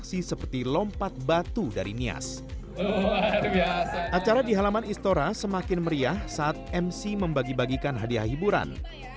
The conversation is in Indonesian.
setau tulus ku mengkiawakan